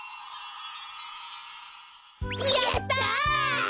やった！